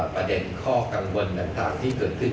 ประเด็นข้อกังวลต่างที่เกิดขึ้น